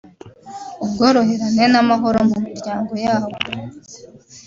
ubworoherane n’amahoro mu miryango yabo